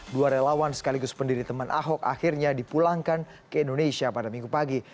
dua relawan sekaligus pendiri teman ahok akhirnya dipulangkan ke indonesia pada minggu pagi